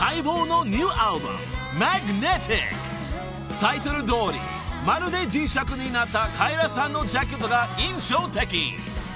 ［タイトルどおりまるで磁石になったカエラさんのジャケットが印象的］